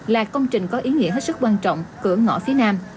là công trình có ý nghĩa hết sức quan trọng cửa ngõ phía nam